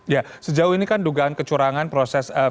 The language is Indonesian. ya sejauh ini kan dugaan kecurangan proses